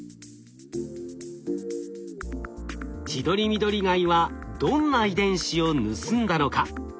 チドリミドリガイはどんな遺伝子を盗んだのか。